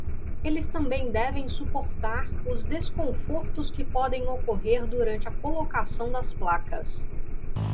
Eles também devem suportar os desconfortos que podem ocorrer durante a colocação das placas.